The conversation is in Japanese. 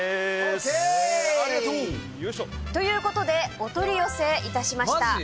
ということでお取り寄せいたしました。